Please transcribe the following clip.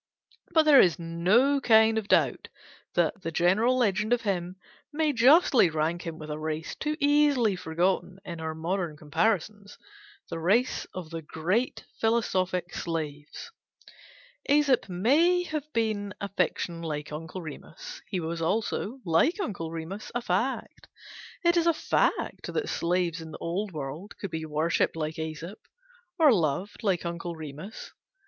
But there is no kind of doubt that the general legend of him may justly rank him with a race too easily forgotten in our modern comparisons: the race of the great philosophic slaves. Æsop may have been a fiction like Uncle Remus: he was also, like Uncle Remus, a fact. It is a fact that slaves in the old world could be worshipped like Æsop, or loved like Uncle Remus.